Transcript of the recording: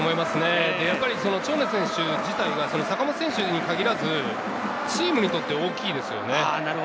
長野選手自体が坂本選手に限らず、チームにとって大きいですよね。